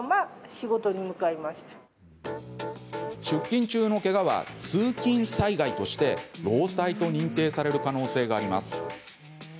出勤中のけがは、通勤災害として労災と認定される可能性があります。